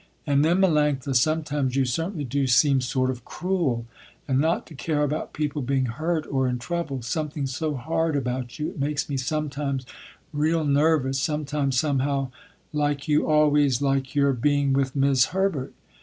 "And then, Melanctha, sometimes you certainly do seem sort of cruel, and not to care about people being hurt or in trouble, something so hard about you it makes me sometimes real nervous, sometimes somehow like you always, like your being, with 'Mis' Herbert.